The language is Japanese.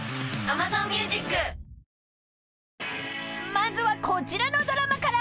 ［まずはこちらのドラマから］